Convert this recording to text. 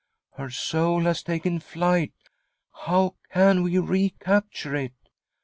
Her soul has taken flight ; how can . we recapture it ?